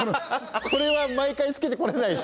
これは毎回着けてこれないです